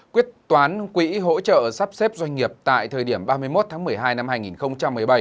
quyết toán quỹ hỗ trợ sắp xếp doanh nghiệp tại thời điểm ba mươi một tháng một mươi hai năm hai nghìn một mươi bảy